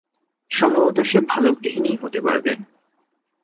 সম্ভবত সে ভাল গৃহিণীই হতে পারবে।